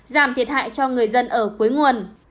giảm thiệt hại cho người dân ở cuối nguồn